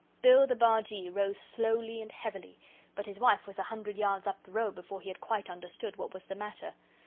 Bill the Bargee rose slowly and heavily. But his wife was a hundred yards up the road before he had quite understood what was the matter.